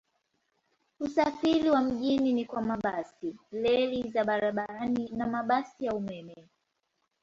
Usafiri wa mjini ni kwa mabasi, reli za barabarani na mabasi ya umeme.